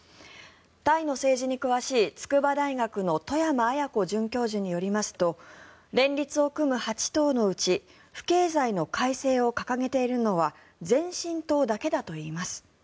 タイの政治に詳しい筑波大学の外山文子准教授によりますと連立を組む８党のうち不敬罪の改正を掲げているのは前進党だけだといいます。